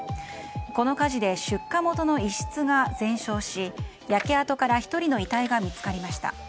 この火事で出火元の一室が全焼し焼け跡から１人の遺体が見つかりました。